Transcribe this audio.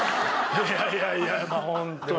いやいやいやホントに。